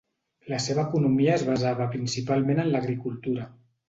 La seva economia es basava principalment en l'agricultura.